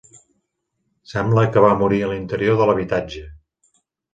Sembla que va morir a l'interior de l'habitatge.